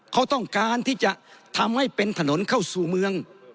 เขาต้องการที่จะทำให้เป็นถนนเข้าสู่เมือง